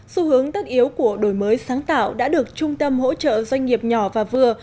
xu hướng tất yếu của đổi mới sáng tạo đã được trung tâm hỗ trợ doanh nghiệp nhỏ và vừa